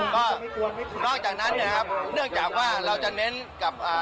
ก็นอกจากนั้นเนี่ยนะครับเนื่องจากว่าเราจะเน้นกับอ่า